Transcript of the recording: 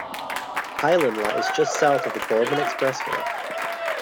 Highland lies just south of the Borman Expressway.